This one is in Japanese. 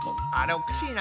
おかしいな。